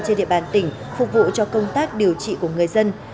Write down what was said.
trên địa bàn tỉnh phục vụ cho công tác điều trị của người dân